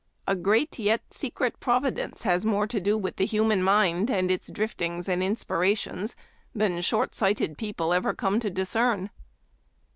A great yet secret Providence has more to do with the human mind, and its driftings and inspira tions, than short sighted people ever come to discern.